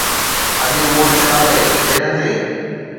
اڄ موڊ ڇا آهي، کيڏندين؟